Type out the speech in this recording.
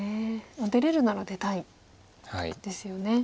出れるなら出たいですよね。